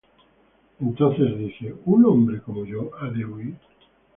Entonces dije: ¿Un hombre como yo ha de huir?